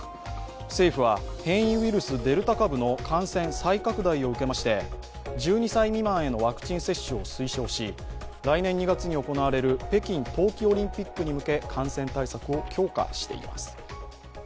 政府は変異ウイルス、デルタ株の感染再拡大を受けまして１２歳未満へのワクチン接種を推奨し来年２月に行われる北京冬季オリンピックに向け感染対策を強化しています。